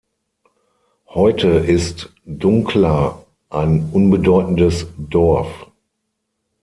Heute ist Dunqula ein unbedeutendes Dorf.